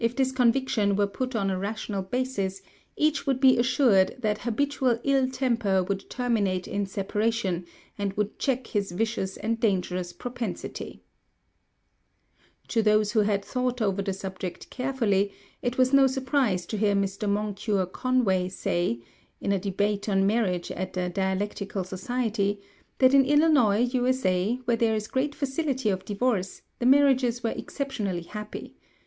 If this conviction were put on a rational basis, each would be assured that habitual ill temper would terminate in separation, and would check this vicious and dangerous propensity" (Notes on "Queen Mab"). To those who had thought over the subject carefully, it was no surprise to hear Mr. Moncure Conway say in a debate on marriage at the Dialectical Society that in Illinois, U.S.A., where there is great facility of divorce, the marriages were exceptionally happy.